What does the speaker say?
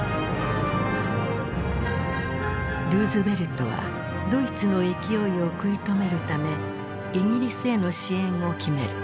ルーズベルトはドイツの勢いを食い止めるためイギリスへの支援を決める。